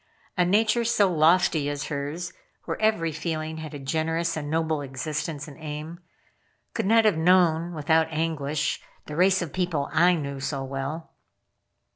A nature so lofty as hers, where every feeling had a generous and noble existence and aim, could not have known without anguish the race of people I knew so well.